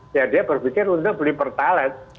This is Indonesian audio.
ya dia berpikir untuk beli pertalite